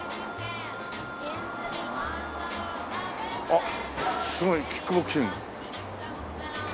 あっすごいね「キックボクシング」。